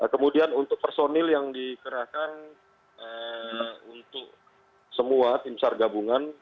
kemudian untuk personil yang dikerahkan untuk semua timsar gabungan